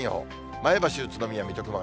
前橋、宇都宮、水戸、熊谷。